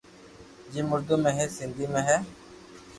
جيم اردو ۾ ھي سندھي ۾ ھي